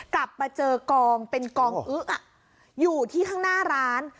กลับมาเจอกองเป็นกองอึ๊ะอยู่ที่ข้างหน้าร้าน